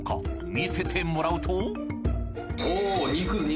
見せてもらうとおお肉！